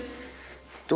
どう？